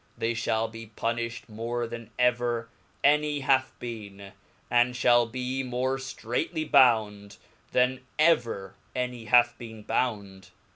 theviliall be puniflied more then ever any hath been, and fhall be more ftraitly bound then ever any hath been bound.